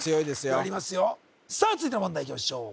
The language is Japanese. やりますよさあ続いての問題いきましょう